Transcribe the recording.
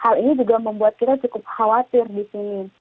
hal ini juga membuat kita cukup khawatir di sini